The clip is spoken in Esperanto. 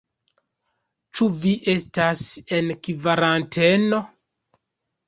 Ĉu vi estas en kvaranteno?